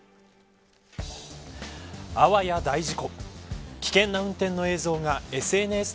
あわや大事故。